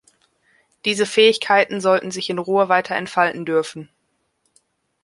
Diese Fähigkeiten sollten sich in Ruhe weiter entfalten dürfen.